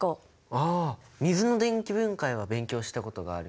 あ水の電気分解は勉強したことがある。